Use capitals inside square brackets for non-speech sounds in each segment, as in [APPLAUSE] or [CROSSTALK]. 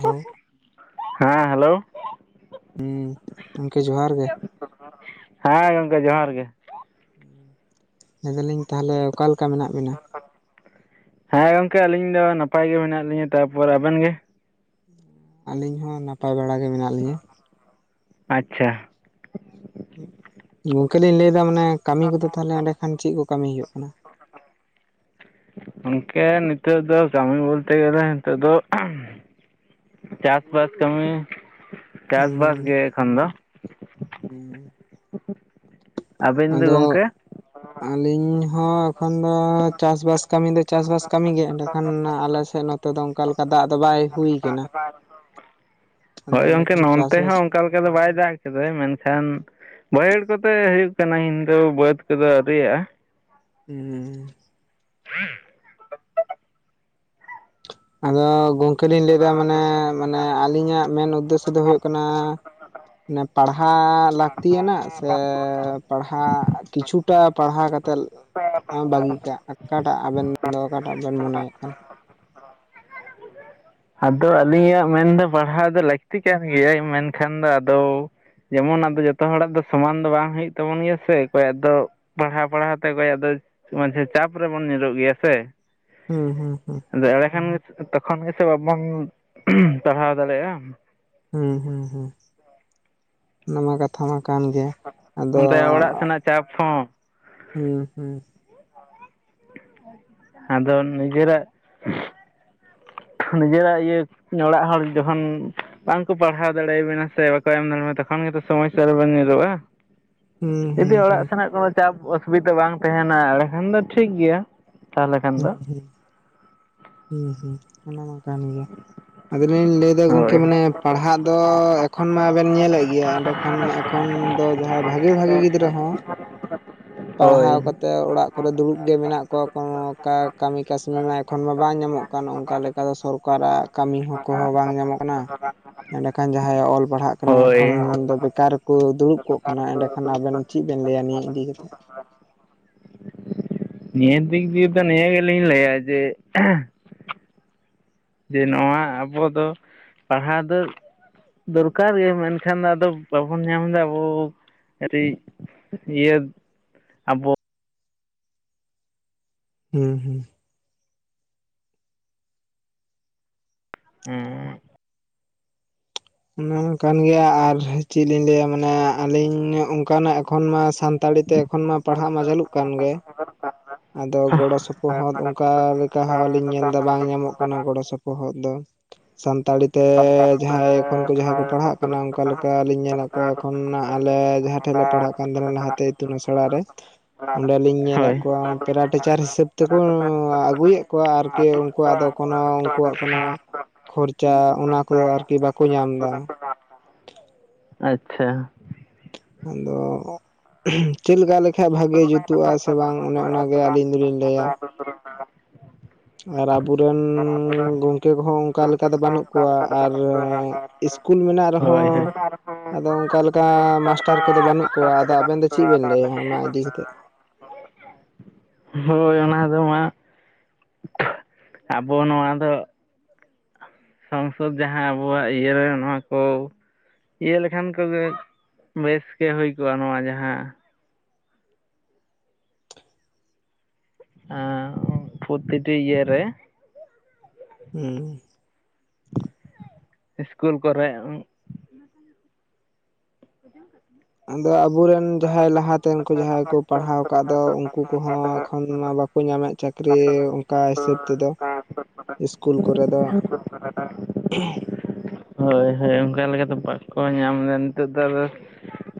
Hello ᱦᱮᱸ hello. ᱦᱩᱸ ᱜᱚᱢᱠᱮ ᱡᱚᱦᱟᱨ ᱜᱮ᱾ [UNINTELLIGIBLE] ᱦᱮᱸ ᱜᱚᱢᱠᱮ ᱡᱚᱦᱟᱨ ᱜᱮ᱾ ᱞᱟᱹᱭ ᱫᱟᱞᱤᱧ ᱛᱟᱦᱚᱞᱮ ᱚᱠᱟ ᱞᱮᱠᱟ ᱢᱮᱱᱟᱜ ᱵᱤᱱᱟ? [INAUDIBLE] ᱦᱮᱸ ᱜᱚᱝᱠᱮ ᱟᱹᱞᱤᱧ ᱫᱚ ᱱᱟᱯᱟᱭ ᱜᱮ ᱢᱮᱱᱟᱜ ᱞᱤᱧᱟᱹ, ᱛᱟᱯᱚᱨᱮ ᱟᱵᱮᱱ ᱜᱮ? [INAUDIBLE] ᱟᱹᱞᱤᱧ ᱦᱚᱸ ᱱᱟᱯᱟᱭ ᱵᱟᱲᱟ ᱜᱮ ᱢᱮᱱᱟᱜ ᱞᱤᱧᱟᱹ [UNINTELLIGIBLE] ᱟᱪᱪᱷᱟ᱾ ᱜᱚᱝᱠᱮ ᱞᱤᱧ ᱞᱮᱭᱫᱟ ᱢᱟᱱᱮ ᱠᱟᱹᱢᱤ ᱠᱚ ᱫᱚ ᱛᱟᱦᱚᱞᱮ ᱮᱸᱰᱮ ᱠᱷᱟᱱ ᱪᱮᱫ ᱠᱚ ᱠᱟᱹᱢᱤ ᱦᱩᱭᱩᱜ ᱠᱟᱱᱟ? ᱜᱚᱝᱠᱮ ᱱᱤᱛᱚᱜ ᱫᱚ ᱠᱟᱹᱢᱤ ᱵᱚᱞᱛᱮ ᱜᱮᱞᱮ ᱱᱤᱛᱚᱜ ᱫᱚ ᱟᱦᱻ ᱪᱟᱥ ᱵᱟᱥ ᱠᱟᱹᱢᱤ᱾ ᱪᱟᱥᱵᱟᱥ ᱜᱮ ᱮᱠᱷᱚᱱ ᱫᱚ ᱟᱹᱵᱤᱱ ᱫᱚ ᱟᱫᱚ ᱜᱚᱝᱠᱮ ᱟᱹᱞᱤᱧ ᱦᱚᱸ ᱮᱠᱷᱚᱱ ᱫᱚ ᱪᱟᱥ ᱵᱟᱥ ᱠᱟᱹᱢᱤ ᱫᱚ ᱪᱟᱥ ᱵᱟᱥ ᱠᱟᱹᱢᱤ ᱜᱮ ᱮᱸᱰᱮᱠᱷᱟᱱ ᱟᱞᱮᱥᱮᱫ ᱱᱚᱛᱮ ᱫᱚ ᱚᱱᱠᱟ ᱞᱮᱠᱟ ᱫᱟᱜ ᱫᱚ ᱵᱟᱭ ᱦᱩᱭ ᱠᱟᱱᱟ [UNINTELLIGIBLE] ᱟᱫᱚ ᱦᱳᱭ ᱜᱚᱝᱠᱮ ᱮᱸᱰᱮᱠᱷᱟᱱ ᱱᱚᱱᱛᱮ ᱪᱟᱥᱵᱟᱥ ᱦᱚᱸ ᱚᱱᱠᱟ ᱞᱮᱠᱟ [UNINTELLIGIBLE] ᱵᱟᱭ ᱫᱟᱜᱽ ᱠᱮᱫᱮᱫ ᱢᱮᱱᱠᱷᱟᱱ ᱵᱟᱹᱭᱦᱟᱹᱲ ᱠᱚᱛᱮ ᱦᱩᱭᱩᱜ ᱠᱟᱱᱟ ᱤᱧ ᱫᱚ ᱵᱟᱹᱫᱽ ᱠᱚᱫᱚ ᱟᱣᱨᱤᱭᱟᱜᱼᱟ᱾ ᱦᱩᱸ᱾ ᱟᱫᱚ ᱜᱚᱢᱠᱮ ᱞᱤᱧ ᱞᱮᱭ ᱫᱟ ᱢᱟᱱᱮ ᱢᱟᱱᱮ ᱟᱞᱤᱧᱟᱜ ᱢᱮᱱ ᱩᱫᱽᱫᱮᱥᱥᱚ ᱫᱚ ᱦᱩᱭᱩᱜ ᱠᱟᱱᱟ ᱯᱟᱲᱦᱟᱜ ᱞᱟᱹᱠᱛᱤᱭᱟᱱᱟᱜ ᱥᱮ ᱯᱟᱲᱦᱟᱜ ᱠᱤᱪᱷᱩ [UNINTELLIGIBLE] ᱯᱟᱲᱦᱟᱣ ᱠᱟᱛᱮᱫ ᱟᱢ ᱵᱟᱜᱤ ᱠᱟᱜ ᱟᱠᱟᱴᱟᱜ ᱟᱵᱮᱱ ᱫᱚ ᱚᱠᱟᱴᱟᱜ ᱵᱮᱱ ᱢᱚᱱᱮᱭᱮᱫ ᱠᱟᱱᱟ᱾ ᱟᱫᱚ ᱟᱹᱞᱤᱧᱟᱜ ᱢᱮᱱᱫᱚ ᱯᱟᱲᱦᱟᱣ ᱫᱚ ᱞᱟᱹᱠᱛᱤ ᱠᱟᱱ ᱜᱮᱭᱟ ᱢᱮᱱᱠᱷᱟᱱ ᱫᱚ ᱟᱫᱚ ᱡᱮᱢᱚᱱ ᱟᱫᱚ ᱡᱚᱛᱚ ᱦᱚᱲᱟᱜ ᱫᱚ ᱥᱚᱢᱟᱱ ᱫᱚ ᱵᱟᱝ ᱦᱩᱭᱩᱜ ᱛᱟᱵᱚᱱ ᱜᱮᱭᱟ ᱥᱮ ᱚᱠᱚᱭᱟᱜ ᱫᱚ ᱯᱟᱲᱦᱟᱣ ᱯᱟᱲᱦᱟᱣ ᱛᱮ ᱚᱠᱚᱭᱟᱜ ᱫᱚ ᱢᱟᱡᱷᱮ ᱪᱟᱯ ᱨᱮᱵᱚᱱ ᱧᱩᱨᱩᱜ ᱜᱮᱭᱟ ᱥᱮ᱾ ᱦᱩᱸ ᱦᱩᱸ ᱦᱩᱸ᱾ ᱮᱲᱮ ᱠᱷᱟᱱ ᱜᱮ ᱛᱚᱠᱷᱚᱱ ᱜᱮ ᱥᱮ ᱵᱟᱵᱚᱱ ᱩᱦ ᱯᱟᱲᱦᱟᱣ ᱫᱟᱲᱮᱭᱟᱜᱼᱟ᱾ ᱦᱩᱸ ᱦᱩᱸ ᱦᱩᱸ ᱚᱱᱟᱢᱟ ᱠᱟ ᱛᱷᱟ ᱢᱟ ᱠᱟᱱ ᱜᱮ ᱟᱫᱚ ᱚᱱᱛᱮ ᱚᱲᱟᱜ ᱥᱮᱱᱟᱜ ᱪᱟᱯ ᱦᱚᱸ ᱦᱩᱸ ᱦᱩᱸ᱾ ᱟᱫᱚ ᱱᱤᱡᱮᱨᱟᱜ ᱱᱤᱡᱮᱨᱟᱜ ᱤᱭᱟᱹ ᱚᱲᱟᱜ ᱦᱚᱲ ᱡᱚᱠᱷᱚᱱ ᱵᱟᱝ ᱠᱚ ᱯᱟᱲᱦᱟᱣ ᱫᱟᱲᱮᱭᱟᱵᱤᱱᱟ ᱥᱮ ᱵᱟᱠᱚ ᱮᱢ ᱫᱟᱲᱮᱭᱟᱜᱼᱟ ᱛᱚᱠᱷᱚᱱ ᱜᱮᱛᱚ ᱥᱚᱢᱚᱥᱥᱟ ᱨᱮᱵᱤᱱ ᱧᱩᱨᱩᱜᱼᱟ᱾ ᱦᱩᱸ ᱦᱩᱸ ᱡᱩᱫᱤ ᱚᱲᱟᱜ ᱦᱩᱸ ᱥᱟᱱᱟᱭᱮᱫ ᱠᱚᱣᱟ ᱪᱟᱯ ᱚᱥᱩᱵᱤᱫᱟ ᱵᱟᱝ ᱛᱟᱦᱮᱱᱟ ᱮᱱᱰᱮᱠᱷᱟᱱ ᱫᱚ ᱴᱷᱤᱠᱜᱮᱭᱟ᱾ ᱦᱩᱸ ᱦᱩᱸ ᱦᱩᱸ ᱦᱩᱸ ᱚᱱᱟ ᱢᱟ ᱠᱟᱱ ᱜᱮᱭᱟ᱾ ᱟᱫᱚᱞᱤᱧ ᱞᱟᱹᱭᱮᱫᱟ ᱜᱚᱝᱠᱮ ᱢᱟᱱᱮ ᱯᱟᱲᱦᱟᱜ ᱫᱚ ᱮᱠᱷᱚᱱ ᱢᱟᱵᱮᱱ ᱧᱮᱞᱮᱫ ᱜᱮᱭᱟ ᱮᱸᱰᱮ ᱠᱷᱟᱱ ᱮᱠᱷᱚᱱ ᱫᱚ ᱡᱟᱦᱟᱸᱭ ᱵᱷᱟᱜᱮ ᱵᱷᱟᱜᱮ ᱜᱤᱫᱽᱨᱟᱹ ᱦᱚᱸ [UNINTELLIGIBLE] ᱯᱟᱲᱦᱟᱣ ᱦᱳᱭ ᱠᱟᱛᱮᱫ ᱚᱲᱟᱜ ᱠᱚᱨᱮ ᱫᱩᱲᱩᱵ ᱜᱮ ᱢᱮᱱᱟᱜ ᱠᱚᱣᱟ ᱠᱚᱱᱚ ᱚᱠᱟ ᱠᱟᱹᱢᱤ ᱠᱟᱹᱥᱱᱤ ᱢᱟ ᱮᱠᱷᱚᱱ ᱢᱟ ᱵᱟᱝ ᱧᱟᱢᱚᱜ ᱠᱟᱱ ᱚᱱᱠᱟ ᱞᱮᱠᱟ ᱫᱚ ᱥᱚᱨᱠᱟᱨᱟᱜ ᱠᱟᱹᱢᱤ ᱦᱚᱸ ᱠᱚᱦᱚᱸ ᱵᱟᱝ ᱧᱟᱢᱚᱜ ᱠᱟᱱᱟ᱾ ᱮᱸᱰᱮ ᱠᱷᱟᱱ ᱡᱟᱦᱟᱸᱭᱮ ᱚᱞ ᱯᱟᱲᱦᱟᱜ ᱦᱳᱭ ᱮᱠᱷᱚᱱ ᱦᱳᱭ ᱫᱚ ᱵᱮᱠᱟᱨ ᱨᱮᱠᱚ ᱫᱩᱲᱩᱵ ᱠᱚᱜ ᱠᱟᱱᱟ ᱮᱸᱰᱮᱠᱷᱟᱱ ᱟᱵᱮᱱ ᱪᱮᱜ ᱵᱮᱱ ᱞᱟᱹᱭᱟ ᱱᱤᱭᱟᱹ ᱤᱫᱤ ᱠᱟᱛᱮᱜ? ᱱᱤᱭᱟᱹ ᱫᱤᱠ ᱫᱤᱭᱮ ᱫᱚ ᱱᱤᱭᱟᱹ ᱜᱮᱞᱤᱧ ᱞᱟᱹᱭᱟ ᱡᱮ ᱡᱮ ᱱᱚᱣᱟ ᱟᱵᱚ ᱫᱚ ᱯᱟᱲᱦᱟᱣ ᱫᱚ ᱫᱚᱨᱠᱟᱨ ᱜᱮᱭᱟ ᱢᱮᱱᱠᱷᱟᱱ ᱟᱫᱚ ᱵᱟᱵᱚᱱ ᱧᱟᱢ ᱫᱟ ᱟᱵᱚ ᱠᱟᱹᱴᱤᱜ ᱤᱭᱟᱹᱛ ᱟᱵᱚ, ᱦᱩᱸ ᱦᱩᱸ, ᱩᱸ ᱚᱱᱮ ᱚᱱᱠᱟᱱ ᱜᱮᱭᱟ ᱟᱨ ᱪᱮᱜ ᱞᱤᱧ ᱞᱟᱹᱭᱟ ᱢᱟᱱᱮ ᱟᱹᱞᱤᱧ ᱚᱱᱠᱟᱱᱟᱜ ᱮᱠᱷᱚᱱ ᱢᱟ ᱥᱟᱱᱛᱟᱲᱤ ᱛᱮ, ᱛᱚᱠᱷᱚᱱ ᱢᱟ ᱯᱟᱲᱦᱟᱜ ᱢᱟ ᱪᱟᱹᱞᱩᱜ ᱠᱟᱱ ᱜᱮ᱾ ᱟᱫᱚ ᱱᱚᱝᱠᱟ, ᱟᱫᱚ ᱜᱚᱲᱚ ᱥᱚᱯᱚᱦᱚᱫ ᱚᱝᱠᱟ ᱞᱮᱠᱟ ᱦᱚᱸᱞᱤᱧ ᱧᱮᱞ ᱫᱟ ᱵᱟᱝ ᱧᱟᱢᱚᱜ ᱠᱟᱱᱟ ᱜᱚᱲᱚ ᱥᱚᱯᱚᱦᱚᱫ ᱫᱚ᱾ ᱥᱟᱱᱛᱟᱲᱤ ᱛᱮ ᱡᱟᱦᱟᱸᱭ ᱮᱠᱷᱚᱱ ᱠᱚ ᱡᱟᱦᱟᱸᱭ ᱠᱚ ᱯᱟᱲᱦᱟᱜ ᱠᱟᱱᱟ ᱚᱝᱠᱟ ᱞᱮᱠᱟ ᱞᱤᱧ ᱧᱮᱞᱮᱜ ᱠᱚᱣᱟ ᱮᱠᱷᱚᱱ ᱟᱞᱮ ᱡᱟᱦᱟᱸ, ᱴᱷᱮᱜ ᱞᱮ ᱯᱟᱲᱦᱟᱜ ᱠᱟᱱ ᱛᱟᱦᱮᱸᱱᱟ ᱞᱟᱦᱟᱛᱮ ᱤᱛᱩᱱ ᱟᱥᱲᱟᱟᱨ ᱨᱮ ᱚᱸᱰᱮᱞᱤᱧ ᱧᱮᱞᱮᱫ ᱦᱳᱭ ᱯᱮᱨᱟ ᱴᱤᱪᱟᱨ ᱦᱤᱥᱟᱹᱵ ᱛᱮᱠᱚ ᱟᱹᱜᱩᱭᱮᱜ ᱠᱚᱣᱟ ᱟᱨᱠᱤ ᱩᱱᱠᱩᱣᱟᱜ ᱫᱚ ᱠᱚᱱᱚ ᱩᱱᱠᱩᱣᱟᱜ ᱠᱚᱱᱚ, ᱠᱷᱚᱨᱪᱟ ᱚᱱᱟ ᱠᱚᱫᱚ ᱟᱨᱠᱤ ᱵᱟᱠᱚ ᱧᱟᱢ ᱫᱟ᱾ ᱟᱪᱪᱷᱟ, ᱟᱫᱚ, ᱪᱮᱜ ᱞᱮᱠᱟ ᱞᱮᱠᱷᱟᱭ ᱵᱷᱟᱜᱮ ᱡᱩᱛᱩᱜ-ᱟ ᱥᱮ ᱵᱟᱝ ᱚᱱᱮ ᱚᱱᱟᱜᱮ ᱟᱹᱞᱤᱧ ᱫᱚᱞᱤᱧ ᱞᱟᱹᱭᱟ᱾ ᱟᱨ ᱟᱵᱚᱨᱮᱱ ᱜᱚᱝᱠᱮ ᱠᱚᱦᱚᱸ ᱚᱝᱠᱟ ᱞᱮᱠᱟ ᱫᱚ ᱵᱟᱹᱱᱩᱜ ᱠᱚᱣᱟ ᱟᱨ ᱤᱥᱠᱩᱞ ᱢᱮᱱᱟᱜ ᱦᱳᱭ ᱨᱮᱦᱚᱸ ᱦᱳᱭ ᱟᱫᱚ ᱚᱝᱠᱟ ᱞᱮᱠᱟ ᱢᱟᱥᱴᱟᱨ ᱠᱚᱫᱚ ᱵᱟᱹᱱᱩᱜ ᱠᱚᱣᱟ, ᱟᱫᱚ ᱟᱵᱮᱱ ᱫᱚ ᱪᱮᱜ ᱵᱮᱱ ᱞᱟᱹᱭᱟ ᱚᱱᱟ ᱤᱫᱤ ᱠᱟᱛᱮᱜ? ᱦᱳᱭ ᱚᱱᱟ ᱫᱚ ᱢᱟᱜ ᱟᱵᱚ ᱱᱚᱣᱟ ᱫᱚᱜ, ᱥᱚᱝᱥᱚᱫᱽ ᱡᱟᱦᱟᱸ ᱟᱵᱚᱣᱟᱜ ᱤᱭᱟᱹᱨᱮ ᱱᱚᱣᱟ ᱠᱚ ᱤᱭᱟᱹ ᱞᱮᱠᱷᱟᱱ ᱠᱚᱜᱮ ᱵᱮᱥ ᱜᱮ ᱦᱩᱭ ᱠᱚᱜᱼᱟ ᱱᱚᱣᱟ ᱡᱟᱦᱟᱸ ᱟᱸ ᱩᱸ ᱯᱷᱳᱛᱤᱴᱤ ᱤᱭᱟᱹ ᱨᱮ, ᱩᱸ ᱤᱥᱠᱩᱞ ᱠᱚᱨᱮᱜ ᱩᱸᱜ [UNINTELLIGIBLE] ᱟᱫᱚ ᱟᱵᱚᱨᱮᱱ ᱡᱟᱦᱟᱸᱭ ᱞᱟᱦᱟᱛᱮ ᱩᱱᱠᱩ ᱡᱟᱦᱟᱸᱭ ᱠᱚ ᱯᱟᱲᱦᱟᱣ ᱠᱟᱜ ᱫᱚ ᱩᱱᱠᱩ ᱠᱚᱦᱚᱸ ᱮᱠᱷᱚᱱ ᱢᱟ ᱵᱟ ᱠᱚ ᱧᱟᱢᱮᱜ ᱪᱟᱹᱠᱨᱤ ᱚᱝᱠᱟ ᱦᱤᱥᱟᱹᱵ ᱛᱮᱫᱚ ᱤᱥᱠᱩᱞ ᱠᱚᱨᱮ ᱫᱚ᱾ [UNINTELLIGIBLE] ᱦᱳᱭ ᱦᱳᱭ ᱚᱝᱠᱟ ᱞᱮᱠᱟᱛᱮ ᱵᱟᱠᱚ ᱧᱟᱢ ᱫᱟ ᱱᱤᱛᱳᱜ ᱫᱚ ᱟᱫᱚ,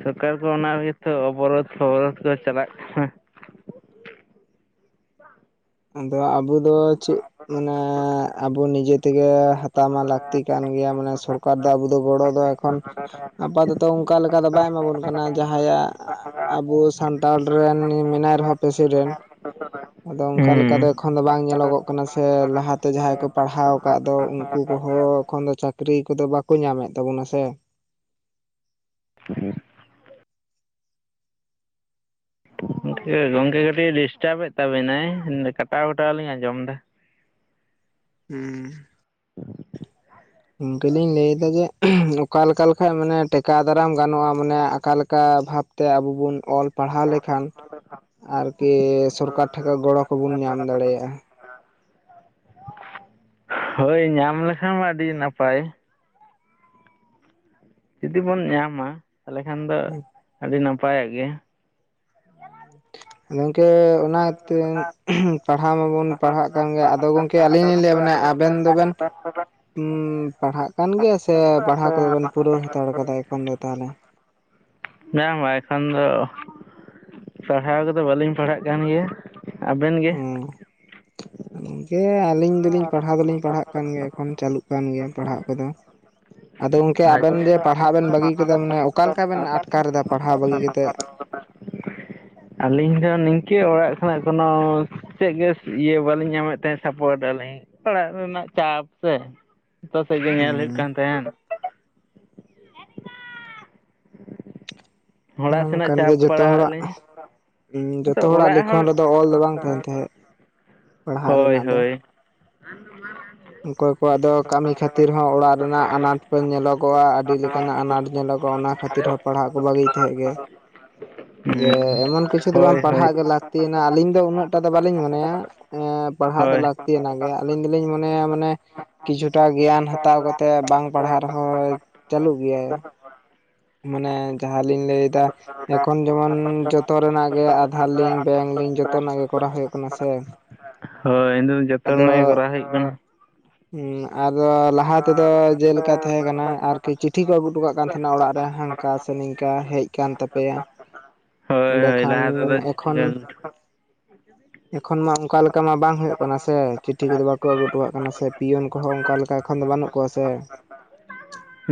ᱥᱚᱨᱠᱟᱨ ᱠᱚ ᱚᱱᱟ ᱨᱮᱜᱮ ᱛᱚ ᱚᱵᱚᱨᱳᱫᱷ ᱯᱷᱚᱵᱚᱨᱳᱫ ᱠᱚ ᱪᱟᱞᱟᱜ ᱠᱟᱱᱟ᱾ ᱟᱫᱚ ᱟᱵᱚ ᱫᱚ ᱪᱮᱜ ᱢᱟᱱᱮ ᱟᱵᱚ ᱱᱤᱡᱮ ᱛᱮᱜᱮ ᱦᱟᱛᱟᱣ ᱢᱟ ᱞᱟᱹᱠᱛᱤ ᱠᱟᱱ ᱜᱮᱭᱟ ᱢᱟᱱᱮ ᱥᱚᱨᱼ ᱠᱟᱨ ᱫᱚ ᱟᱵᱚ ᱫᱚ ᱜᱚᱲᱚ ᱫᱚ ᱮᱠᱷᱚᱱ ᱟᱯᱟᱫᱚᱛᱚ ᱚᱝᱠᱟ ᱞᱮᱠᱟ ᱫᱚ ᱵᱟᱭ ᱮᱢᱟᱵᱚᱱ ᱠᱟᱱᱟ ᱡᱟᱦᱟᱸᱭᱟᱜ ᱟᱵᱚ ᱥᱟᱱᱛᱟᱲ ᱨᱮᱱ ᱢᱮᱱᱟᱭ ᱨᱮᱦᱚᱸ ᱯᱨᱮᱥᱤᱰᱮᱱᱴ ᱟᱫᱚ ᱟᱝ ᱠᱟ ᱞᱮᱠᱟ ᱫᱚ ᱦᱩᱸ ᱮᱠᱷᱚᱱ ᱫᱚ ᱵᱟᱝ ᱧᱮᱞᱚᱜᱚᱜ ᱠᱟᱱᱟ ᱥᱮ ᱞᱟᱦᱟᱛᱮ ᱡᱟᱦᱟᱸᱭ ᱠᱚ ᱯᱟᱲᱦᱟᱣ ᱠᱟᱜ ᱫᱚ ᱩᱱᱠᱩ ᱠᱚᱦᱚᱸ ᱮᱠᱷᱚᱱ ᱫᱚ ᱪᱟᱹᱠᱼ ᱨᱤ ᱠᱚᱫᱚ ᱵᱟᱠᱚ ᱧᱟᱢᱮᱜ ᱛᱟᱵᱚᱱᱟ ᱥᱮ᱾ ᱜᱚᱝᱠᱮ ᱜᱚᱝᱠᱮ ᱠᱟᱹᱴᱤᱜ ᱰᱤᱥᱴᱟᱵᱮᱜ ᱛᱟᱵᱤᱱᱟᱭ ᱠᱟᱴᱟᱣ ᱠᱟᱴᱟᱣᱞᱤᱧ ᱟᱸᱡᱚᱢ ᱫᱟ᱾ ᱦᱩᱸ, ᱜᱚᱝᱠᱮ ᱞᱤᱧ ᱞᱟᱹᱭ ᱫᱟ ᱡᱮ ᱚᱠᱟᱞᱮᱠᱟ ᱞᱮᱠᱷᱟᱭ ᱢᱟᱱᱮ ᱴᱮᱠᱟᱣ ᱫᱟᱨᱟᱢ ᱜᱟᱱᱚᱜᱼᱟ ᱢᱟᱱᱮ ᱟᱠᱟ ᱞᱮᱠᱟ ᱵᱷᱟᱵᱽ ᱛᱮ ᱟᱵᱚ ᱵᱩᱱ ᱚᱞ ᱯᱟᱲᱦᱟᱣ ᱞᱮᱠᱷᱟᱱ ᱟᱨᱠᱤ ᱥᱚᱨᱠᱟᱨ ᱴᱷᱮᱱ ᱠᱷᱚᱱ ᱜᱚᱲᱚ ᱠᱚᱵᱚᱱ ᱧᱟᱢ ᱫᱟᱲᱮᱭᱟᱜᱼᱟ᱾ ᱦᱳᱭ ᱧᱟᱢ ᱞᱮᱠᱷᱟᱱ ᱢᱟ ᱟᱹᱰᱤ ᱱᱟᱯᱟᱭ᱾ ᱡᱩᱫᱤ ᱵᱚᱱ ᱧᱟᱢᱟ ᱛᱟᱦᱚᱞᱮ ᱠᱷᱟᱱ ᱟᱹᱰᱤ ᱱᱟᱯᱟᱭᱚᱜ ᱜᱮᱭᱟ᱾ ᱜᱚᱝᱠᱮ ᱚᱱᱟᱛᱮ ᱯᱟᱲᱦᱟᱣ ᱢᱟ ᱵᱚᱱ ᱯᱟᱲᱦᱟᱜ ᱠᱟᱱ ᱜᱮ ᱟᱫᱚ ᱜᱚᱝ ᱠᱮ ᱟᱹᱞᱤᱧ ᱞᱤᱧ ᱞᱟᱹᱭᱟ ᱢᱟᱱᱮ ᱟᱵᱮᱱ ᱫᱚᱵᱮᱱ ᱯᱟᱲᱦᱟᱜ ᱠᱟᱱ ᱜᱮᱭᱟ ᱥᱮ ᱯᱟᱲᱦᱟᱣ ᱠᱚᱫᱚ ᱵᱮᱱ ᱯᱩᱨᱟᱹᱣ ᱦᱟᱛᱟᱲ ᱠᱟᱫᱟ ᱮᱠᱷᱚᱱ ᱫᱚ ᱛᱟᱦᱞᱮ? ᱵᱟᱝ ᱵᱟᱝ ᱮᱠᱷᱟᱱ ᱫᱚ ᱯᱟᱲᱦᱟᱣ ᱠᱚᱫᱚ ᱵᱟᱹᱞᱤᱧ ᱯᱟᱲᱦᱟᱜ ᱠᱟᱱ ᱜᱮᱭᱟ᱾ ᱟᱵᱮᱱ ᱜᱮ? ᱦᱩᱸ ᱜᱚᱝᱠᱮ ᱟᱞᱤᱧ ᱫᱚᱞᱤᱧ ᱯᱟᱲᱦᱟᱣ ᱫᱚᱞᱤᱧ ᱯᱟᱲᱦᱟᱜ ᱜᱮᱭᱟ ᱮᱠᱷᱚᱱ ᱪᱟᱹᱟᱞᱩᱜ ᱠᱟᱱ ᱜᱮᱭᱟ ᱯᱟᱲᱦᱟᱣ ᱠᱚᱫᱚ᱾ ᱟᱫᱚ ᱜᱚᱝᱠᱮ ᱟᱵᱮᱱ ᱟᱪᱪᱷᱟ, ᱡᱮ ᱯᱟᱲᱦᱟᱜ ᱵᱮᱱ ᱵᱟᱹᱜᱤ ᱠᱟᱫᱟ ᱢᱟᱱᱮ ᱚᱠᱟ ᱞᱮᱠᱟ ᱵᱮᱱ ᱟᱴᱠᱟᱨ ᱫᱟ ᱯᱟᱲᱦᱟᱣ ᱵᱟᱹᱜᱤ ᱠᱟᱛᱮᱫ? ᱟᱹᱞᱤᱧ ᱫᱚ ᱱᱤᱝᱠᱟᱹ ᱚᱲᱟᱜ ᱠᱷᱚᱱᱟᱜ ᱠᱳᱱᱚ ᱪᱮᱫ ᱜᱮ ᱤᱭᱟᱹ ᱵᱟᱹᱞᱤᱧ ᱧᱟᱢᱮᱫ ᱛᱟᱦᱮᱸᱫ ᱥᱟᱯᱳᱴ ᱟᱞᱤᱧ, ᱚᱲᱟᱜ ᱨᱮᱱᱟᱜ ᱪᱟᱯ ᱥᱮ ᱡᱚᱛᱚ ᱥᱮᱫ ᱜᱮ ᱧᱮᱞ ᱦᱩᱭᱩᱜ ᱦᱩᱸ ᱠᱟᱱ ᱛᱟᱦᱮᱸᱱ, ᱚᱲᱟᱜ ᱚᱱᱟᱢᱟ ᱥᱮᱱᱟᱜ ᱠᱟᱱ ᱜᱮ ᱪᱟᱯ ᱡᱚᱛᱚ ᱯᱟᱲᱟᱣᱟᱜ ᱦᱚᱲᱟᱜᱼᱼ ᱞᱤᱧ ᱦᱮᱸ ᱟᱫᱚ ᱡᱚᱛᱚ ᱦᱚᱲᱟᱜ ᱚᱲᱟᱜ ᱦᱚᱲ ᱞᱤᱠᱷᱚᱱ ᱨᱮᱫᱚ ᱚᱞ ᱫᱚ ᱵᱟᱝ ᱛᱟᱦᱮᱱ ᱛᱟᱦᱮᱸᱫ ᱯᱟᱲᱦᱟᱜ ᱦᱳᱭ ᱨᱮᱱᱟᱜ ᱫᱚ᱾ ᱦᱳᱭ [INAUDIBLE] ᱚᱠᱚᱭ ᱠᱚᱣᱟᱜ ᱫᱚ ᱠᱟᱹᱢᱤ ᱠᱷᱟᱹᱛᱤᱨ ᱦᱚᱸ ᱚᱲᱟᱜ ᱨᱮᱱᱟᱜ ᱟᱱᱟᱴ ᱠᱚ ᱧᱮᱞᱚᱜᱚᱜᱼᱟ ᱟᱹᱰᱤ ᱞᱮᱠᱟᱱᱟᱜ ᱟᱱᱟᱴ ᱧᱮᱞᱚᱜᱚᱜᱼᱟ ᱚᱱᱟ ᱠᱷᱟᱹᱼᱼ ᱛᱤᱨ ᱛᱮ ᱦᱚᱸ ᱯᱟᱲᱦᱟᱜ ᱠᱚ ᱵᱟᱹᱜᱤᱭ ᱛᱟᱦᱮᱸᱜ ᱜᱮ [INAUDIBLE] ᱡᱮ ᱦᱩᱸ ᱮᱢᱚᱱ ᱠᱤᱪᱷᱩ ᱫᱚ ᱦᱳᱭ ᱵᱟᱝ ᱦᱳᱭ ᱯᱟᱲᱦᱟᱜ ᱜᱮ ᱞᱟᱹᱠᱛᱤᱭᱮᱱᱟ ᱟᱞᱤᱧ ᱫᱚ ᱩᱱᱟᱹᱜ ᱴᱟ ᱫᱚ ᱵᱟᱹᱞᱤᱧ ᱢᱚᱱᱮᱭᱟ, ᱮᱸ ᱯᱟᱲᱦᱟᱜ ᱫᱚ ᱦᱳᱭ ᱞᱟᱹᱠᱛᱤᱭᱟᱱᱟᱜ ᱜᱮ ᱟᱞᱤᱧ ᱫᱚᱞᱤᱧ ᱢᱚᱼᱼ ᱱᱮᱭᱟ ᱢᱟᱱᱮ ᱠᱤᱪᱷᱩᱴᱟ ᱜᱮᱭᱟᱱ ᱦᱟᱛᱟᱣ ᱠᱟᱛᱮᱜ ᱵᱟᱝ ᱯᱟᱲᱦᱟᱜ ᱨᱮᱦᱚᱸ ᱪᱟᱹᱞᱩᱜ ᱜᱮᱭᱟᱭ ᱢᱟᱱᱮ ᱡᱟᱦᱟᱸ ᱞᱤᱧ ᱞᱟᱹᱭᱫᱟ ᱮᱠᱷᱚᱱ ᱡᱮᱢᱚᱱ ᱡᱚᱛᱚ ᱨᱮᱱᱟᱜ ᱜᱮ ᱟᱫᱷᱟᱨ ᱞᱤᱝᱠ ᱵᱮᱝᱠ ᱞᱤᱝᱠ ᱡᱚᱛᱚ ᱨᱮᱱᱟᱜ ᱜᱮ ᱠᱚᱨᱟᱣ ᱦᱩᱭᱩᱜ ᱠᱟᱱᱟ ᱥᱮ ᱾ [INAUDIBLE] ᱦᱳᱭ ᱡᱚᱛᱚ ᱨᱮᱱᱟᱜ ᱜᱮ ᱠᱚᱨᱟᱣ ᱦᱩᱭᱩᱜ ᱠᱟᱱᱟ ᱾ ᱦᱮᱸ ᱟᱨ ᱞᱟᱦᱟ ᱛᱮᱫᱚ ᱡᱮᱞᱮᱠᱟ ᱛᱟᱦᱮᱸ ᱠᱟᱱᱟ ᱟᱨᱠᱤ ᱪᱤᱴᱷᱤ ᱠᱚ ᱟᱹᱜᱩ ᱦᱚᱴᱚ ᱠᱟᱜ ᱠᱟᱱ ᱛᱟᱦᱮᱸᱱᱟ ᱚᱲᱟᱜ ᱦᱟᱝᱠᱟ ᱥᱮ ᱱᱤᱝᱠᱟ ᱦᱮᱡ ᱟᱠᱟᱱ ᱛᱟᱯᱮᱭᱟ᱾ ᱦᱳᱭ ᱮᱸᱰᱮ ᱦᱳᱭ ᱠᱷᱟᱱ ᱞᱟᱦᱟ ᱛᱮᱫᱚ ᱮᱠᱷᱚᱱᱼᱼ ᱪᱤᱠᱟ ᱮᱠᱷᱚᱱ ᱢᱟ ᱚᱱᱠᱟ ᱞᱮᱠᱟ ᱢᱟ ᱵᱟᱝ ᱦᱩᱭᱩᱜ ᱠᱟᱱᱟ ᱥᱮ ᱪᱤᱴᱷᱤ ᱠᱚᱫᱚ ᱵᱟᱠᱚ ᱟᱹᱜᱩ ᱦᱚᱴᱚ ᱠᱟᱜ ᱠᱟᱱᱟ ᱥᱮ ᱯᱤᱭᱚᱱ ᱠᱚᱦᱚᱸ ᱚᱱᱠᱟ ᱞᱮᱠᱟ ᱮᱠᱷᱚᱱ ᱫᱚ ᱵᱟᱹᱱᱩᱜ ᱠᱚᱣᱟ ᱥᱮ᱾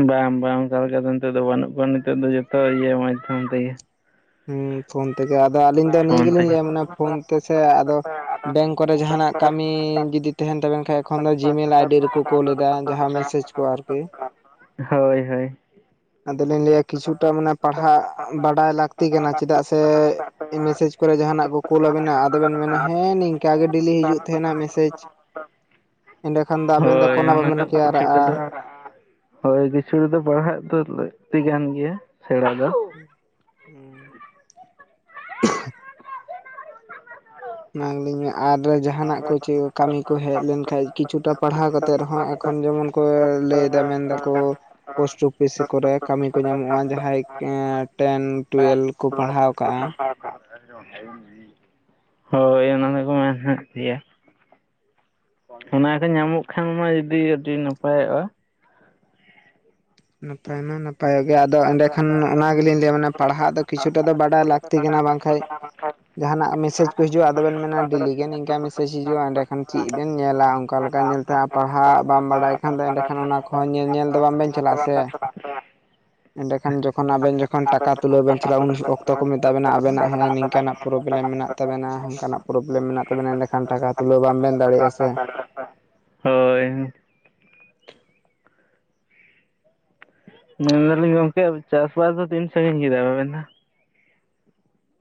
ᱵᱟᱝ ᱵᱟᱝ ᱚᱱᱠᱟ ᱞᱮᱠᱟ ᱫᱚ ᱱᱤᱛᱚᱜ ᱫᱚ ᱵᱟᱹᱱᱩᱜ ᱠᱚᱣᱟ ᱱᱤᱛᱚᱜ ᱫᱚ ᱡᱚᱛᱚ ᱤᱭᱟᱹ ᱢᱟᱫᱽᱫᱷᱚᱢ ᱛᱮᱜᱮ ᱾ ᱦᱮᱸ ᱯᱷᱳᱱ ᱛᱮᱜᱮ ᱟᱫᱚ ᱟᱹᱞᱤᱧ ᱫᱚ ᱱᱤᱭᱟᱹ ᱯᱷᱳᱱ ᱜᱮᱞᱤᱧ ᱛᱮᱜᱮ ᱞᱟᱹᱭᱟ ᱢᱟᱱᱮ ᱯᱷᱳᱱ ᱛᱮᱥᱮ ᱟᱫᱚᱼᱼ ᱵᱮᱝᱠ ᱠᱚᱨᱮ ᱡᱟᱦᱟᱱᱟᱜ ᱠᱟᱹᱢᱤ ᱡᱩᱫᱤ ᱛᱟᱦᱮᱱ ᱛᱟᱵᱮᱱ ᱠᱷᱟᱡ ᱮᱠᱷᱚᱱ ᱫᱚ ᱡᱤᱢᱮᱞ ᱟᱭᱰᱤ ᱨᱮᱠᱚ ᱠᱳᱞ ᱮᱫᱟ ᱡᱟᱦᱟᱸ ᱢᱮᱥᱮᱡᱽᱼᱼ ᱠᱚ ᱟᱨᱠᱤ᱾ ᱦᱳᱭ ᱦᱳᱭ ᱟᱫᱚᱞᱤᱧ ᱞᱟᱹᱭᱟ ᱠᱤᱪᱷᱩᱴᱟ ᱢᱟᱱᱮ ᱯᱟᱲᱦᱟᱜ ᱵᱟᱰᱟᱭ ᱞᱟᱹᱠᱛᱤ ᱠᱟᱱᱟ ᱪᱮᱫᱟᱜ ᱥᱮᱼᱼ ᱢᱮᱥᱮᱡᱽ ᱠᱚᱨᱮ ᱡᱟᱦᱟᱱᱟᱜ ᱠᱚ ᱠᱩᱞ ᱟᱵᱮᱱᱟ ᱟᱫᱚᱵᱮᱱ ᱢᱮᱱᱟ ᱦᱮᱸ ᱱᱤᱝᱠᱟ ᱜᱮ ᱰᱮᱞᱤ ᱦᱤᱡᱩᱜ ᱛᱟᱦᱮᱱᱟ ᱢᱮᱥᱮᱡᱽ, [UNINTELLIGIBLE] ᱮᱸᱰᱮ ᱠᱷᱟᱱ ᱫᱚ ᱟᱵᱮᱱ ᱫᱚ ᱦᱳᱭ ᱠᱳᱱᱳ ᱵᱟᱵᱮᱱᱼᱼ [INAUDIBLE] ᱦᱳᱭ ᱠᱤᱪᱷᱩ ᱴᱟᱜ ᱫᱚ ᱯᱟᱲᱦᱟᱜ ᱫᱚ ᱞᱟᱹᱠᱛᱤ ᱠᱟᱱ ᱜᱮᱭᱟ ᱥᱮᱬᱟ ᱫᱚ ᱦᱮᱸ ᱚᱱᱟ ᱜᱮᱞᱤᱧ ᱢᱮᱱ ᱟᱨ ᱡᱟᱦᱟᱱᱟᱜ ᱠᱚ ᱪᱮᱫ ᱠᱟᱹᱢᱤ ᱠᱚ ᱦᱮᱡ ᱞᱮᱱᱠᱷᱟᱡ ᱠᱤᱪᱷᱩᱴᱟ ᱯᱟᱲᱦᱟᱣ ᱠᱟᱛᱼᱼ ᱮᱱᱛᱮ ᱨᱮᱦᱚᱸ ᱮᱠᱷᱚᱱ ᱡᱮᱢᱚᱱ ᱠᱚ ᱞᱟᱹᱭ ᱫᱟ ᱢᱮᱱ ᱫᱟᱠᱚᱼᱼ ᱯᱳᱥᱴ ᱚᱯᱷᱤᱥᱤ ᱠᱚᱨᱮ ᱠᱟᱹᱢᱤ ᱠᱚ ᱧᱟᱢᱚᱜᱼᱟ ᱡᱟᱦᱟᱸᱭ ᱴᱮᱱ ᱴᱩᱭᱮᱞ ᱠᱚ ᱯᱟᱲᱦᱟᱣ ᱟᱠᱟᱜᱼᱟ ᱾ [INAUDIBLE] ᱦᱳᱭ ᱚᱱᱟ ᱫᱚᱠᱚ ᱢᱮᱱ [UNINTELLIGIBLE] ᱚᱱᱟ ᱠᱚ ᱧᱟᱢᱚᱜ ᱠᱷᱟᱱ ᱢᱟ ᱡᱩᱫᱤ ᱟᱹᱰᱤ ᱱᱟᱯᱟᱭᱚᱜᱼᱟ᱾ ᱱᱟᱯᱟᱭ ᱢᱟ ᱱᱟᱯᱟᱭᱚᱜ ᱜᱮᱭᱟ ᱟᱫᱚ ᱚᱱᱟ ᱛᱟᱦᱮᱱᱟ ᱱᱟᱯᱟᱭ ᱚᱜ ᱜᱮᱭᱟ ᱟᱫᱚ ᱮᱸᱰᱮᱠᱷᱟᱱ ᱚᱱᱟ ᱜᱮᱞᱤᱧ ᱞᱟᱹᱭᱟ ᱢᱟᱱᱮ ᱯᱟᱲᱦᱟᱜ ᱫᱚ ᱠᱤᱪᱷᱩᱴᱟ ᱫᱚ ᱵᱟᱰᱟᱭ ᱞᱟᱹᱠᱛᱤ᱾ ᱠᱟᱱᱟ ᱵᱟᱝᱠᱷᱟᱡ [UNINTELLIGIBLE] ᱡᱟᱦᱟᱱᱟᱜ ᱢᱮᱥᱮᱡᱽ ᱠᱚ ᱦᱤᱡᱩᱜᱼᱟ ᱟᱫᱚᱵᱮᱱ ᱢᱮᱱᱟ ᱰᱮᱞᱤᱜᱮ ᱱᱤᱝᱠᱟ ᱢᱮᱥᱮᱡᱽ ᱦᱤᱡᱩᱜᱼᱟ ᱮᱸᱰᱮ ᱠᱷᱟᱱ ᱪᱮᱫ ᱵᱮᱱ ᱧᱮᱞᱟ ᱚᱱᱠᱟ ᱞᱮᱠᱟ ᱧᱮᱞᱼᱼᱼ ᱛᱟ ᱯᱟᱲᱦᱟᱜ ᱵᱟᱢ ᱵᱟᱰᱟᱭ ᱠᱷᱟᱱ ᱫᱚ ᱮᱸᱰᱮᱠᱷᱟᱱ ᱚᱱᱟ ᱠᱚᱦᱚᱸ ᱧᱮᱧᱮᱞ ᱫᱚ ᱵᱟᱝ ᱵᱮᱱ ᱪᱟᱞᱟᱜᱼᱟ ᱥᱮ [INAUDIBLE] [INAUDIBLE] ᱮᱸᱰᱮᱠᱷᱟᱱ ᱡᱚᱠᱷᱚᱱ ᱟᱵᱮᱱ ᱡᱚᱠᱷᱚᱱ ᱴᱟᱠᱟ ᱛᱩᱞᱟᱹᱣ ᱵᱮᱱ ᱪᱟᱞᱟᱜᱼᱟ ᱩᱱ ᱚᱠᱛᱚ ᱠᱚ ᱢᱮᱛᱟᱵᱮᱱᱟ ᱟᱵᱮᱱᱟᱜ ᱦᱮᱸ ᱱᱤᱝᱠᱟᱱᱟᱜ ᱯᱨᱳᱵᱞᱮᱢ ᱢᱮᱱᱟᱜᱼᱼ ᱛᱟᱵᱮᱱᱟ ᱚᱱᱠᱟᱱᱟᱜ ᱯᱨᱚᱵᱽᱞᱮᱢ ᱢᱮᱱᱟᱜ ᱛᱟᱵᱮᱱᱟ ᱮᱸᱰᱮᱠᱷᱟᱱ ᱴᱟᱠᱟ ᱛᱩᱞᱟᱹᱣ ᱵᱟᱝ ᱵᱮᱱ ᱫᱟᱲᱮᱭᱟᱜᱼᱟ ᱥᱮ ᱦᱳᱭ ᱢᱮᱱ ᱫᱟᱞᱤᱧ ᱜᱚᱢᱠᱮ ᱪᱟᱥᱵᱟᱥ ᱫᱚ ᱛᱤᱱ ᱥᱟᱺᱜᱤᱧ ᱠᱮᱫᱟᱵᱮᱱ ᱟᱵᱮᱱ ᱫᱚ?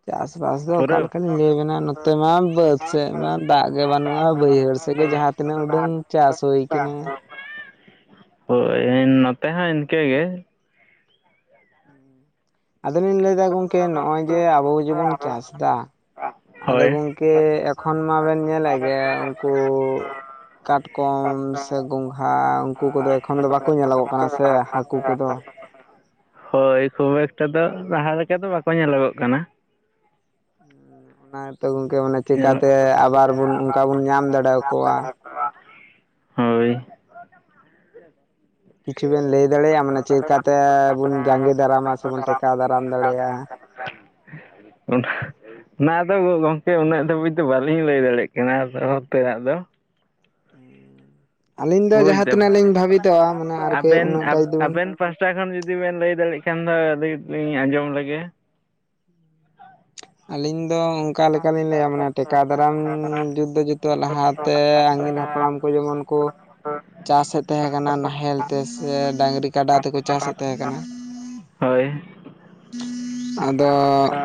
ᱪᱟᱥᱵᱟᱥ ᱫᱚ ᱯᱩᱨᱟᱹᱣ? ᱚᱠᱟᱞᱮᱠᱟᱞᱤᱧ ᱞᱟᱹᱭ ᱟᱵᱮᱱᱟ ᱱᱚᱛᱮᱼᱼ ᱱᱚᱛᱮᱢᱟ ᱵᱟᱹᱫ ᱥᱮᱫ ᱢᱟ ᱫᱟᱜ ᱜᱮ ᱵᱟᱹᱱᱩᱜᱼᱟ, ᱵᱟᱹᱭᱦᱟᱹᱲ ᱥᱮᱫ ᱜᱮ ᱡᱟᱦᱟᱸ ᱛᱤᱱᱟᱹᱜ ᱩᱰᱟᱹᱝ ᱪᱟᱥ ᱦᱳᱭ ᱠᱟᱱᱟ᱾ ᱦᱳᱭ ᱱᱚᱛᱮ ᱦᱚᱸ ᱤᱱᱠᱟᱹᱜ ᱜᱮ, ᱟᱫᱚᱞᱤᱧ ᱞᱟᱹᱭᱫᱟ ᱜᱚᱝᱠᱮ ᱱᱚᱜᱼᱚᱭ ᱡᱮ ᱟᱵᱚ ᱡᱮᱵᱚᱱ ᱪᱟᱥ ᱫᱟ ᱟᱫᱚ ᱦᱳᱭ ᱜᱚᱢ ᱠᱮ ᱮᱠᱷᱚᱱ ᱢᱟᱵᱮᱱ ᱧᱮᱞᱮᱜ ᱜᱮ ᱩᱱᱠᱩ ᱠᱟᱴᱠᱚᱢ ᱥᱮ ᱜᱚᱝᱜᱷᱟ ᱩᱱᱠᱩ ᱠᱚᱫᱚ ᱮᱠᱷᱚᱱ ᱫᱚ ᱵᱟᱠᱚ ᱧᱮᱞᱚᱜᱚᱜ ᱠᱟᱱᱟ ᱥᱮ? ᱦᱟᱹᱠᱩ ᱠᱚᱫᱚ, ᱦᱳᱭ ᱠᱷᱩᱵ ᱮᱠᱴᱟ ᱫᱚ ᱞᱟᱦᱟ ᱞᱮᱠᱟ ᱫᱚ ᱵᱟᱠᱚ ᱧᱮᱞᱚᱜᱚᱜ ᱠᱟᱱᱟ᱾ ᱚᱱᱟᱜᱮᱛᱚ ᱜᱚᱝᱠᱮ ᱢᱟᱱᱮ ᱧᱮᱞᱚᱜ ᱪᱮᱠᱟᱛᱮ ᱟᱵᱟᱨ ᱵᱚᱱ ᱚᱱᱠᱟ ᱵᱚᱱ ᱧᱟᱢ ᱫᱟᱲᱮ ᱟᱠᱚᱣᱟ? ᱦᱳᱭ ᱠᱤᱪᱷᱩ ᱵᱤᱱ ᱞᱟᱹᱭ ᱫᱟᱲᱮᱭᱟᱜᱼᱟ ᱢᱟᱱᱮ ᱪᱮᱫᱠᱟᱛᱮᱵᱚᱱ ᱡᱟᱸᱜᱮ ᱫᱟᱨᱟᱢᱟ, ᱥᱮᱵᱚᱱ ᱴᱮᱠᱟᱣ ᱫᱟᱨᱟᱢ ᱫᱟᱲᱮᱭᱟᱜᱼᱟ᱾ ᱚᱰᱹᱮᱦᱮ ᱚᱱᱟᱫᱚ ᱜᱚᱝᱠᱮ ᱩᱱᱟᱹᱜ ᱫᱷᱟᱹᱵᱤᱡ ᱫᱚ ᱵᱟᱹᱞᱤᱧ ᱞᱟᱹᱭ ᱫᱟᱲᱮᱭᱟᱜ ᱠᱟᱱᱟ ᱫᱚᱦᱚ ᱩᱛᱟᱨᱟᱜ ᱫᱚ᱾ ᱟᱞᱤᱧ ᱫᱚ ᱵᱩᱡᱽ ᱫᱟᱢ ᱡᱟᱦᱟᱸᱛᱤᱱᱟᱹᱜ ᱞᱤᱧ ᱵᱷᱟᱵᱤᱛᱚᱜᱼᱟ ᱢᱟᱱᱮ ᱟᱨᱠᱤ ᱟᱵᱮᱱ ᱩᱱᱟᱹᱜ ᱴᱟ ᱡᱩᱫᱤ ᱵᱤᱱ ᱟᱵᱮᱱ ᱯᱟᱥᱴᱟ ᱠᱷᱚᱱ ᱡᱩᱫᱤ ᱵᱮᱱ ᱞᱟᱹᱭ ᱫᱟᱲᱮᱭᱟᱜ ᱠᱷᱟᱱ ᱫᱚ ᱟᱹᱫᱤᱧᱞᱤᱧ ᱟᱸᱡᱚᱢ ᱞᱮᱜᱮ᱾ ᱟᱞᱤᱧ ᱫᱚ ᱚᱱᱠᱟ ᱞᱮᱠᱟᱞᱤᱧ ᱞᱟᱹᱭᱼᱟ ᱢᱟᱱᱮ ᱴᱮᱠᱟᱣ ᱫᱟᱨᱟᱢ ᱡᱩᱛ ᱫᱚ ᱡᱩᱛᱚᱜᱼᱟ, ᱞᱟᱦᱟ ᱛᱮ ᱟᱝᱜᱤᱱ ᱦᱟᱯᱲᱟᱢ ᱠᱚ ᱡᱮᱢᱚᱱ ᱠᱚ ᱪᱟᱥᱮ ᱛᱟᱦᱮᱸ ᱠᱟᱱᱟ ᱱᱟᱦᱮᱞ ᱛᱮ, ᱥᱮ ᱰᱟᱹᱝᱨᱤ, ᱠᱟᱰᱟ, ᱛᱮᱠᱚ ᱪᱟᱥᱮ ᱛᱟᱦᱮᱸ ᱠᱟᱱᱟ᱾ ᱦᱳᱭ ᱟᱫᱚ [UNINTELLIGIBLE]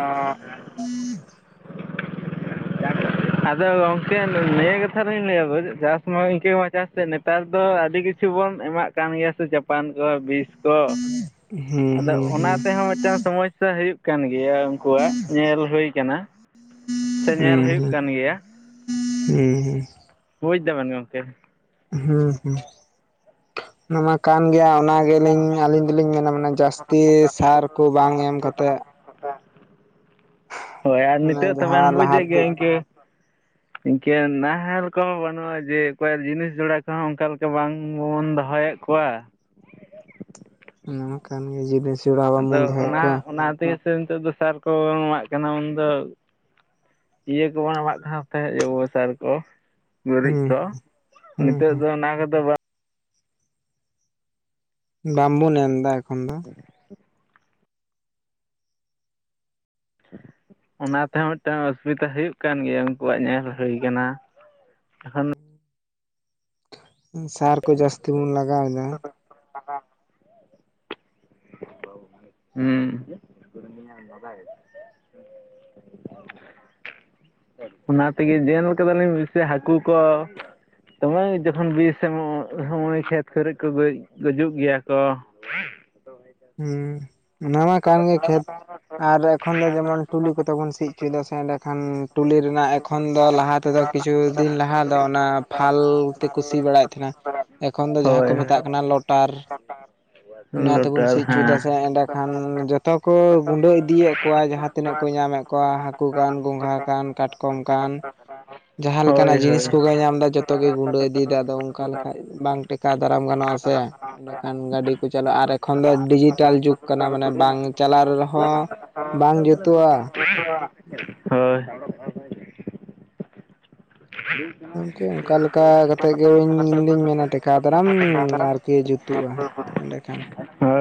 ᱟᱫᱚ ᱜᱚᱝᱠᱮ ᱱᱤᱭᱟᱹ ᱠᱟᱛᱷᱟ ᱞᱤᱧ ᱞᱟᱹᱭᱟ ᱪᱟᱥ ᱢᱟ ᱤᱱᱠᱟᱹ ᱢᱟ ᱪᱟᱥ ᱱᱮᱛᱟᱨ ᱫᱚ ᱟᱹᱰᱤ ᱠᱤᱪ ᱪᱷᱩ ᱵᱚᱱ ᱮᱢᱟᱜ ᱠᱟᱱ ᱜᱮᱭᱟ ᱥᱮ ᱡᱟᱯᱟᱱ ᱠᱚ ᱵᱤᱥ ᱛᱚ ᱦᱩᱸ ᱟᱫᱚ ᱦᱩᱸ ᱦᱩᱸ ᱦᱩᱸ ᱚᱱᱟ ᱛᱮᱦᱚᱸ ᱢᱤᱫᱴᱟᱝ ᱥᱚᱢᱚᱭ ᱥᱟᱹ ᱦᱩᱭᱩᱜ ᱠᱟᱱ ᱜᱮᱭᱟ ᱩᱱᱠᱩᱣᱟᱜ ᱧᱮᱞ ᱦᱳᱭ ᱠᱟᱱᱟ᱾ ᱦᱩᱸ ᱦᱩᱸ ᱦᱩᱸ ᱦᱩᱸ᱾ ᱵᱩᱡᱽ ᱫᱟᱵᱮᱱ ᱜᱚᱝᱠᱮ᱾ ᱦᱩᱸ ᱦᱩᱸ᱾ ᱚᱱᱟᱢᱟ ᱠᱟᱱ ᱜᱮᱭᱟ ᱚᱱᱟ ᱜᱮᱞᱤᱧ ᱟᱹᱞᱤᱧ ᱫᱚᱞᱤᱧ ᱢᱮᱱᱟ ᱡᱟᱹᱥᱛᱤ ᱥᱟᱨ ᱠᱚ ᱵᱟᱝ ᱮᱢ ᱠᱟᱛᱮᱜ ᱦᱳᱭ ᱟᱨ ᱢᱟᱱᱮ ᱱᱤᱛᱳᱜ ᱛᱚᱵᱮᱱ ᱡᱟᱦᱟᱸ ᱵᱩᱡᱮᱜ ᱞᱟᱦᱟᱛᱮ ᱜᱮᱭᱟ ᱤᱸᱱᱠᱟᱹ ᱤᱱᱠᱟᱹ ᱱᱟᱦᱮᱞ ᱠᱚᱦᱚᱸ ᱵᱟᱹᱱᱩᱜᱼᱟ, ᱡᱮ ᱚᱠᱚᱭᱟᱜ ᱡᱤᱱᱤᱥ ᱡᱚᱲᱟ ᱠᱚᱦᱚᱸ ᱚᱱᱠᱟᱞ ᱞᱮᱠᱟ ᱵᱟᱝᱵᱚᱱ ᱫᱚᱦᱚᱭᱮᱜ ᱠᱚᱣᱟ᱾ ᱚᱱᱟ ᱦᱚ ᱠᱟᱱ ᱜᱮᱭᱟ ᱡᱤᱱᱤᱥ ᱟᱫᱚ ᱚᱱᱟ ᱚᱱᱟ ᱛᱮᱜᱮ ᱥᱮ ᱱᱤᱛᱳᱜ ᱫᱚ ᱥᱟᱨ ᱠᱚ ᱵᱟᱵᱚᱱ ᱮᱢᱟᱜ ᱠᱟᱱᱟ, ᱩᱱᱫᱚ ᱤᱭᱟᱹ ᱠᱚ ᱵᱟᱝ ᱮᱢᱟᱜ ᱠᱷᱟᱸᱡ ᱛᱟᱦᱮᱸᱫ ᱡᱮᱵᱚᱥᱟᱨ ᱠᱚ ᱜᱩᱨᱤᱡ ᱦᱩᱸ ᱠᱚ ᱦᱩᱸ ᱱᱤᱛᱚᱜ ᱦᱩᱸ ᱫᱚ ᱚᱱᱟ ᱠᱚᱫᱚ ᱵᱟ ᱵᱟᱝᱵᱚᱱ ᱮᱢ ᱫᱟ ᱮᱠᱷᱚᱱ ᱫᱚ, ᱚᱱᱟ ᱛᱮᱦᱚᱸ ᱢᱤᱫᱴᱟᱝ ᱚᱥᱩᱵᱤᱫᱷᱟ ᱦᱳᱭᱳᱜ ᱠᱟᱱ ᱜᱮᱭᱟ, ᱩᱱᱠᱩᱣᱟᱜ ᱧᱮᱞ ᱦᱳᱭ ᱠᱟᱱᱟ ᱥᱟᱨᱠᱚ ᱡᱟᱥᱛᱤᱵᱩᱱ ᱞᱟᱜᱟᱣᱮᱫᱟ ᱦᱩᱸ [INAUDIBLE] ᱚᱱᱟ ᱛᱮᱜᱮ ᱡᱮᱞ ᱠᱟᱫᱟᱞᱤᱧ ᱵᱤᱥᱤ ᱦᱟᱠᱩ ᱠᱚ, ᱛᱚᱢᱮ ᱡᱚᱠᱷᱚᱱ ᱵᱤᱥ ᱮᱢᱚᱜ ᱥᱚᱢᱚᱭ ᱠᱷᱮᱛ ᱠᱚᱨᱮ ᱠᱚ ᱜᱳᱡ ᱜᱳᱡᱩᱜ ᱜᱮᱭᱟ ᱠᱚ᱾ [INAUDIBLE] ᱦᱩᱸ ᱚᱱᱟᱢᱟ ᱠᱟᱱ ᱜᱮᱭᱟ, ᱠᱷᱮᱛ ᱟᱨ ᱮᱠᱷᱚᱱ ᱫᱚ ᱡᱮᱢᱚᱱ ᱴᱩᱞᱤ ᱠᱚᱛᱮ ᱵᱚᱱ ᱥᱤ ᱪᱚᱭᱮᱫᱟ ᱥᱮᱸ ᱮᱰᱮᱠᱷᱟᱱ ᱴᱩᱞᱤ ᱨᱮᱱᱟᱜ ᱮᱠᱷᱚᱱ ᱫᱚ ᱞᱟᱦᱟ ᱛᱮᱫᱚ ᱠᱤᱪᱷᱩ ᱫᱤᱱ ᱞᱟᱦᱟ ᱫᱚ ᱚᱱᱟ ᱯᱷᱟᱞ ᱛᱮᱠᱩ ᱥᱤ ᱵᱟᱲᱟᱭᱮᱜ ᱛᱟᱦᱮᱱᱟ᱾ ᱮᱠᱷᱚᱱ ᱫᱚ ᱡᱟᱦᱟᱸ ᱠᱚ ᱦᱳᱭ ᱢᱮᱛᱟᱜ ᱠᱟᱱᱟ ᱞᱚᱴᱟᱨ, ᱚᱱᱟ ᱛᱮᱵᱩᱱ ᱞᱚᱴᱟᱨ ᱥᱤᱭ ᱦᱮᱸ ᱮᱸᱰᱮᱠᱷᱟᱱ ᱡᱚᱛᱚ ᱠᱚ ᱜᱩᱸᱰᱟᱹ ᱤᱫᱤᱭᱮᱜ ᱠᱚᱣᱟ ᱡᱟᱦᱟᱸ ᱛᱤᱱᱟᱹᱜ ᱠᱚ ᱧᱟᱢᱮ ᱠᱚᱣᱟ ᱦᱟ ᱠᱩ ᱠᱟᱱ, ᱜᱚᱸᱜᱷᱟ ᱠᱟᱱ, ᱠᱟᱴᱠᱚᱢ ᱠᱟᱱ, ᱡᱟᱦᱟᱸ ᱦᱳᱭ ᱞᱮᱠᱟᱱᱟᱜ ᱦᱳᱭ ᱡᱤᱱᱤᱥ ᱠᱚᱜᱮ ᱧᱟᱢᱫᱟ ᱡᱚᱛ ᱛᱚ ᱜᱮ ᱜᱩᱸᱰᱟᱹ ᱤᱫᱤᱭᱮᱫᱟ ᱟᱫᱚ ᱚᱱᱠᱟ ᱞᱮᱠᱷᱟᱡ ᱵᱟᱝ ᱴᱮᱠᱟᱣ ᱫᱟᱨᱟᱢ ᱜᱟᱱᱚᱜᱼᱟ ᱥᱮ᱾ ᱮᱸᱰᱮᱠᱷᱟᱱ ᱜᱟᱹᱰᱤ ᱠᱚ ᱪᱟᱞᱟᱜᱼᱟ ᱟᱨ ᱮᱠᱷᱚᱱ ᱫᱚ ᱰᱤᱡᱤᱴᱟᱞ ᱡᱩᱜᱽ ᱠᱟᱱᱟ ᱢᱟᱱᱮ ᱵᱟᱝ ᱪᱟᱞᱟᱜ ᱨᱮ ᱨᱮᱦᱚᱸ ᱵᱟᱝ ᱡᱩᱛᱩᱜᱼᱟ, [INAUDIBLE] ᱦᱳᱭ ᱟᱨᱠᱤ ᱚᱱᱠᱟ ᱞᱮᱠᱟ ᱠᱟᱛᱮᱜ ᱜᱮ ᱤᱧᱫᱩᱧ ᱢᱮᱱᱟ ᱴᱮᱠᱟᱣ ᱫᱟᱨᱟᱢ ᱟᱨᱠᱤ ᱡᱩᱛᱩᱜᱼᱟ ᱾ ᱮᱸᱰᱮᱠᱷᱟᱱ, ᱦᱳᱭ